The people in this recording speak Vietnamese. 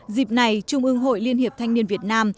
dịp này trung ương hội liên hiệp thanh niên việt nam